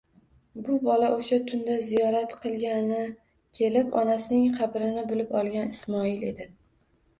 Bu bola o'sha tunda ziyorat qilgani kelib, onasining qabrini bilib olgan Ismoil edi.